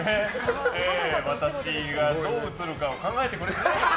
私がどう映るかを考えてくれて。